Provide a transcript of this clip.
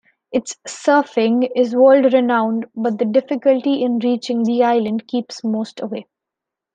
Its surfing is world-renowned, but the difficulty in reaching the island keeps most away.